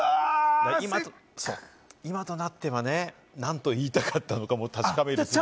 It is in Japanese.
今となってはね、何と言いたかったのか確かめる術もなく。